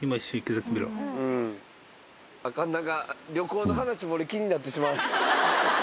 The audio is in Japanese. アカン何か旅行の話も俺気になってしまう。